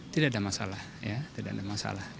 tidak ada masalah ya